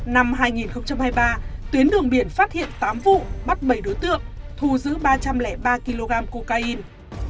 năm hai nghìn hai mươi ba tuyến đường biển phát hiện tám vụ bắt bảy đối tượng thu giữ ba trăm linh ba kg cocaine